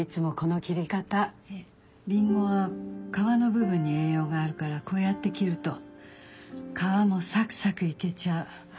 りんごは皮の部分に栄養があるからこうやって切ると皮もさくさくいけちゃう。